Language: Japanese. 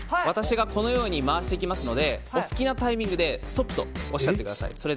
私がこのように回していきますのでお好きなタイミングでストップとおっしゃってください。